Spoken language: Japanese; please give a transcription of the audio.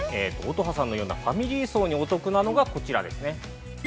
◆乙葉さんのようなファミリー層にお得なのが、こちらですね。